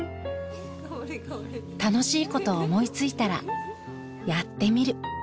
楽しいことを思いついたらやってみる。